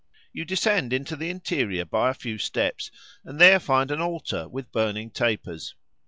You descend into the interior by a few steps, and there find an altar with burning tapers.